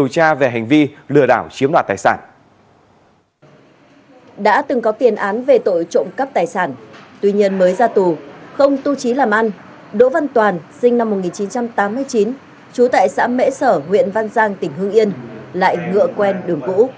chú tại xã mễ sở huyện văn giang tỉnh hương yên lại ngựa quen đường cũ